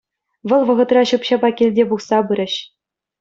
Вӑл вӑхӑтра ҫӳп-ҫапа килте пухса пырӗҫ.